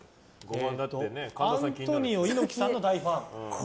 アントニオ猪木さんの大ファン。